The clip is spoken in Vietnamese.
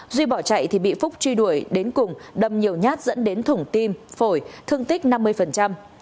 duy bỏ chạy thì bị phúc truy đuổi đến cùng đâm nhiều nhát dẫn đến thủng tim phổi thương tích năm mươi